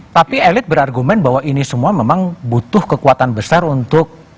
tapi elit berargumen bahwa ini semua memang butuh kekuatan besar untuk